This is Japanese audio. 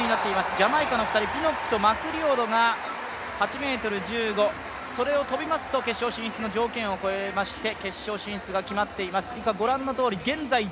ジャマイカの２人ピノックとマクリオド、８ｍ１５、それを跳びますと決勝進出の条件を超えまして決勝進出が決まっています。